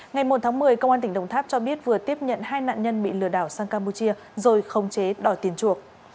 ngày một tháng một mươi công an tỉnh đồng tháp cho biết vừa tiếp nhận hai nạn nhân bị lừa đảo sang campuchia rồi khống chế đòi tiền chuộc